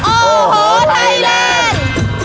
โอ้โหไทยแลนด์